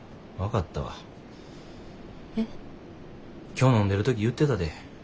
今日飲んでる時言ってたで。